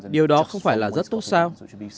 điều đó không phải là rất tốt sao